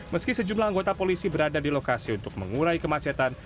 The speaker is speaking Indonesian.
meski sejumlah anggota polisi berada di lokasi untuk mengurai kemacetan